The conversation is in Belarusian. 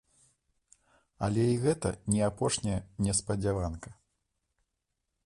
Але і гэта не апошняя неспадзяванка.